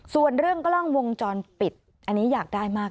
ส่วนเรื่องกล้องวงจรปิดอันนี้อยากได้มาก